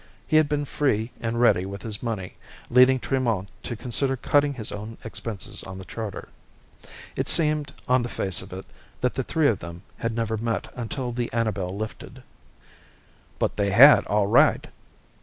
He had been free and ready with his money, leading Tremont to consider cutting his own expenses on the charter. It seemed, on the face of it, that the three of them had never met until the Annabel lifted. "But they had, all right!"